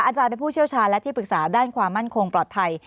อาจารย์เป็นผู้เชี่ยวชาญและที่ปรึกษาด้านความมั่นคงปลอดภัย